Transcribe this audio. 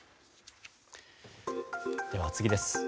では、次です。